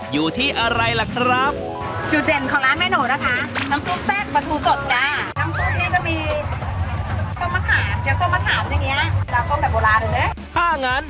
อย่างนี้สบายมากตาใส่ตัวแข็งตก